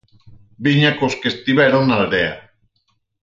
Viña cos que estiveron na aldea.